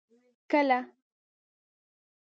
کله.